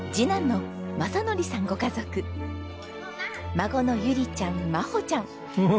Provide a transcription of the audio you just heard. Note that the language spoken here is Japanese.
孫の優梨ちゃん真歩ちゃん。